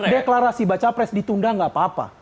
deklarasi baca pres ditunda nggak apa apa